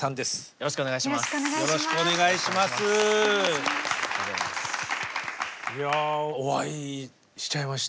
よろしくお願いします。